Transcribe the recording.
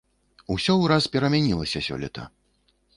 Усё ўраз перамянілася сёлета.